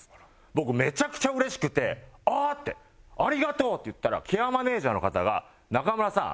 僕めちゃくちゃうれしくて「あっ！」って「ありがとう」って言ったらケアマネジャーの方が「中村さん。